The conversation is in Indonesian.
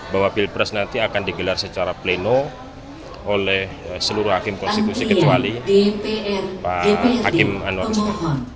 bahwa pilpres nanti akan digelar secara pleno oleh seluruh hakim konstitusi kecuali pak hakim anwar usman